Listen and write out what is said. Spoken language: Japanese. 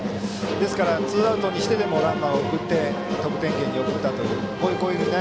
ですからツーアウトにしてでもランナーを得点圏に送ったという攻撃。